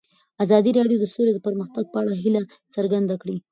ازادي راډیو د سوله د پرمختګ په اړه هیله څرګنده کړې.